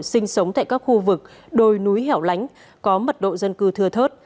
sinh sống tại các khu vực đồi núi hẻo lánh có mật độ dân cư thưa thớt